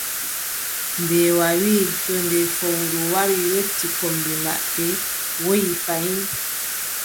Mbeewa wii: to nde fowru wari yotti kombi maɓɓe, woyi fayin.